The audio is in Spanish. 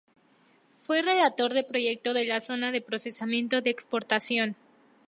Fue relator del proyecto de la Zona de Procesamiento de Exportación.